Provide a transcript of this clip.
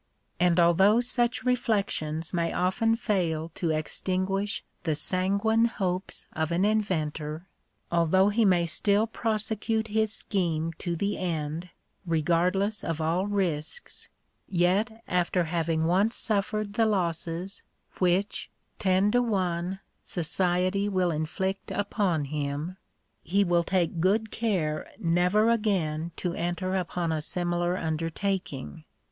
And although such re flections may often fail to extinguish the sanguine hopes of an inventor — although he may still prosecute his scheme to the end, regardless of all risks, yet after having once suffered the losses which ten to one society will inflict upon him, he will take good care never again to enter upon a similar undertaking.